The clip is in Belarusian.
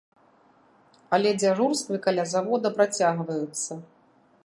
Але дзяжурствы каля завода працягваюцца.